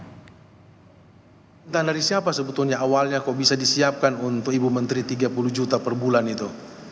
entah dari siapa sebetulnya awalnya kok bisa disiapkan untuk ibu menteri tiga puluh juta per bulan itu